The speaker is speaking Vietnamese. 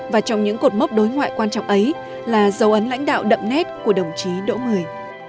và trong những cột mốc đối ngoại quan trọng ấy là dấu ấn lãnh đạo đậm nét của đồng chí đỗ mười